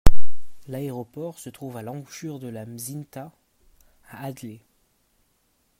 L'aéroport se trouve à l'embouchure de la Mzymta, à Adler.